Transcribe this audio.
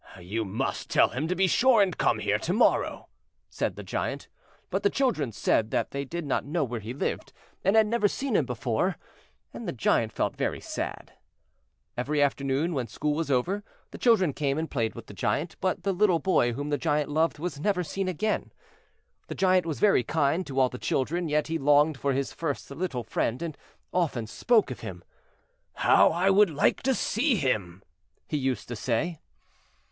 "You must tell him to be sure and come here to morrow," said the Giant. But the children said that they did not know where he lived, and had never seen him before; and the Giant felt very sad. Every afternoon, when school was over, the children came and played with the Giant. But the little boy whom the Giant loved was never seen again. The Giant was very kind to all the children, yet he longed for his first little friend, and often spoke of him. "How I would like to see him!" he used to say.